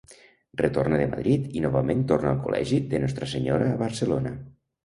Retorna de Madrid i novament torna al col·legi de Nostra Senyora a Barcelona.